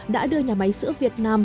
đã đưa nhà máy sữa việt nam